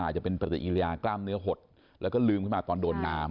จะเป็นปฏิกิริยากล้ามเนื้อหดแล้วก็ลืมขึ้นมาตอนโดนน้ำ